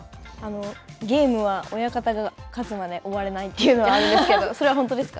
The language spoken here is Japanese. ゲームは、親方が勝つまで終われないというのはあれですけれども、それは本当ですか。